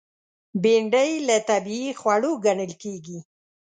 بېنډۍ له طبیعي خوړو ګڼل کېږي